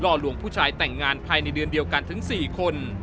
ลวงผู้ชายแต่งงานภายในเดือนเดียวกันถึง๔คน